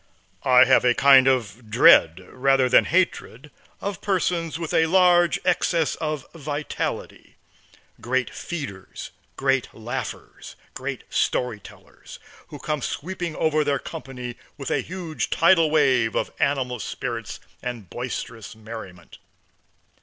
I have a kind of dread, rather than hatred, of persons with a large excess of vitality; great feeders, great laughers, great story tellers, who come sweeping over their company with a huge tidal wave of animal spirits and boisterous merriment.